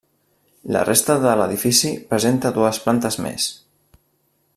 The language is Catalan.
La resta de l'edifici presenta dues plantes més.